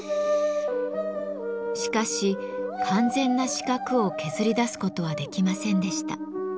しかし完全な四角を削り出すことはできませんでした。